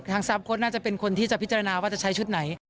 ซาฟโค้ดน่าจะเป็นคนที่จะพิจารณาว่าจะใช้ชุดไหน